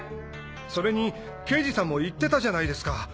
それに刑事さんも言ってたじゃないですか